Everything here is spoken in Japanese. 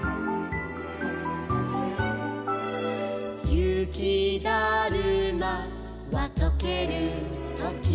「ゆきだるまはとけるとき」